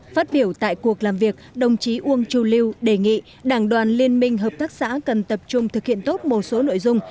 phát biểu tại cuộc làm việc đồng chí uông chu lưu đề nghị đảng đoàn liên minh hợp tác xã cần tập trung thực hiện tốt một số nội dung